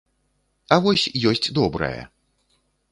А вось ёсць добрае!